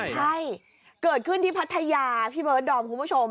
ใช่เกิดขึ้นที่พัทยาพี่เบิร์ดดอมคุณผู้ชม